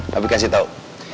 tapi kasih tau